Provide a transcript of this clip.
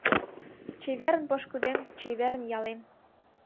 Чеверын, пошкудем, чеверын, ялем